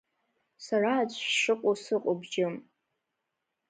Сара аӡә шәшыҟоу сыҟоуп, џьым!